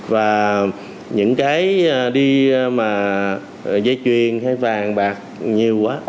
và những cái đi mà giấy truyền hay vàng bạc nhiều quá